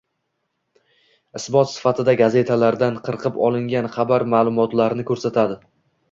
Isbot sifatida gazetalardagan qirqib olgan xabar-maʼlumotlarini koʻrsatadi